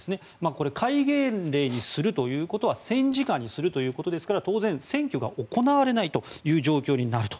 これは戒厳令にするということは戦時下にするということですから当然選挙が行われないという状況になると。